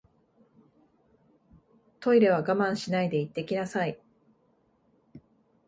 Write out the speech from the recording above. トイレは我慢しないで行ってきなさい